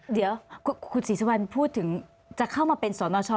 เดี๋ยวคุณศิษภัณฑ์พูดถึงจะเข้ามาเป็นสวนช